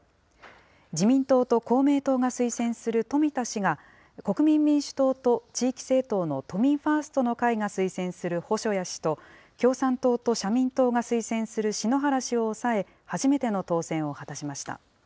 自民党と公明党が推薦する富田氏が、国民民主党と地域政党の都民ファーストの会が推薦する細谷氏と、共産党と社民党が推薦する篠原氏を抑え、初めての当選を果たしました。